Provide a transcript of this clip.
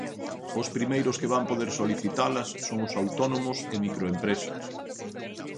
Os primeiros que van poder solicitalas son os autónomos e microempresas.